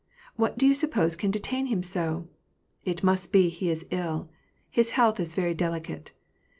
What do you suppose can detain him so ? It must be he is ill. His health is very deli cate.